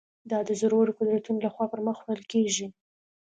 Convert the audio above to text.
دا د زورورو قدرتونو له خوا پر مخ وړل کېږي.